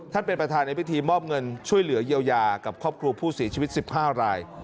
เป็นประธานในพิธีมอบเงินช่วยเหลือเยียวยากับครอบครัวผู้เสียชีวิต๑๕ราย